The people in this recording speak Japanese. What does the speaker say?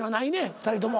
２人とも。